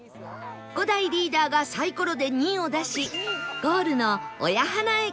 伍代リーダーがサイコロで「２」を出しゴールの親鼻駅へ